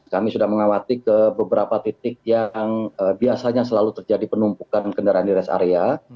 kami sudah mengawati ke beberapa titik yang biasanya selalu terjadi penumpukan kendaraan di rest area